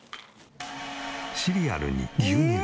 シリアルに牛乳。